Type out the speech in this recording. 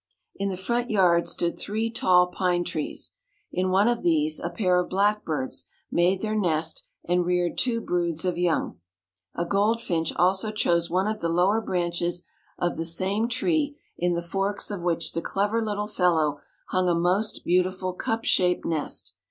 In the front yard stood three tall pine trees. In one of these a pair of black birds made their nest and reared two broods of young. A goldfinch also chose one of the lower branches of the same tree, in the forks of which the clever little fellow hung a most beautiful cup shape nest.